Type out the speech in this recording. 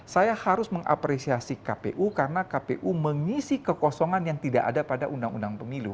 saya harus mengapresiasi kpu karena kpu mengisi kekosongan yang tidak ada pada undang undang pemilu